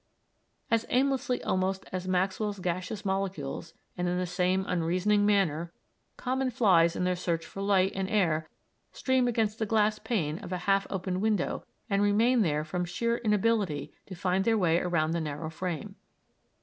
As aimlessly almost as Maxwell's gaseous molecules and in the same unreasoning manner common flies in their search for light and air stream against the glass pane of a half opened window and remain there from sheer inability to find their way around the narrow frame.